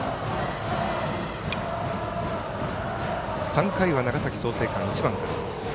３回は長崎、創成館、１番から。